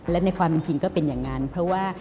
และในความจริงก็เป็นอย่างนั้นเพราะว่า